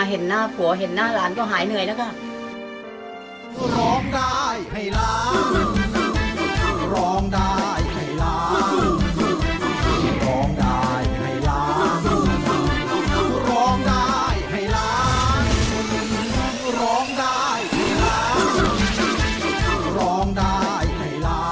เห็นหน้าผัวเห็นหน้าหลานก็หายเหนื่อยแล้วค่ะ